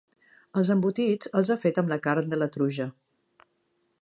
Els embotits els ha fet amb la carn de la truja.